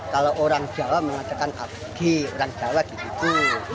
kalau orang jawa mengatakan abge orang jawa gitu